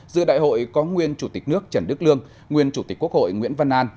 giữa đại hội có nguyên chủ tịch nước trần đức lương nguyên chủ tịch quốc hội nguyễn văn an